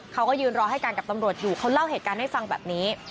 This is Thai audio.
เขาก็ยืนรอให้กันกับตำรวจอยู่เขาเล่าเหตุการณ์ให้ฟังแบบนี้